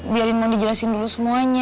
biarin mau dijelasin dulu semuanya